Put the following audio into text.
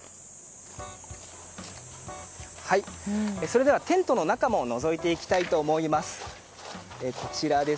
それではテントの中ものぞいていきたいと思います。